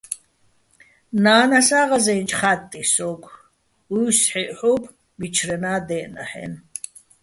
ნა́ნასა ღაზე́ნჭ "ხა́ტტიჼ" სო́გო̆, უჲსჰ̦ეჸ ჰ̦ობ, მიჩრენაა́ დე́ჸნა́ჰ̦-აჲნო̆.